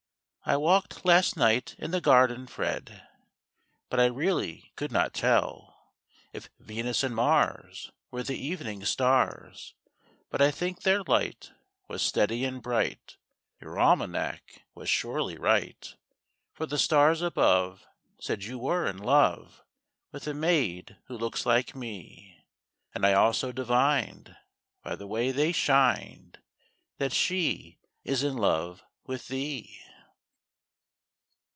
I walked last night in the garden, Fred, But I really could not tell If Venus and Mars Were the evening stars; But I think their light Was steady and bright (Your almanac Was surely right), For the stars above Said you were in love With a maid who looks like me; And I also divined (By the way they shined) That she is in love with thee.